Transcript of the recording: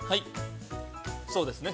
◆そうですね。